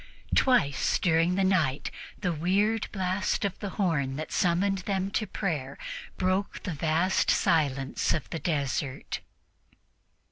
Twice during the night the weird blast of the horn that summoned them to prayer broke the vast silence of the desert.